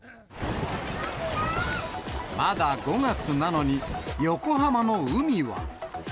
まだ５月なのに、横浜の海は。